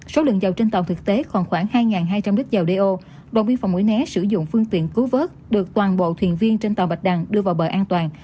số lượng dầu trên tàu thực tế khoảng hai hai trăm linh lít dầu đeo đồng biên phòng mũi né sử dụng phương tiện cứu vớt được toàn bộ thuyền viên trên tàu bạch đằng đưa vào bờ an toàn